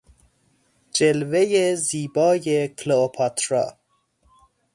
جلوهی زیبا کلئوپاترا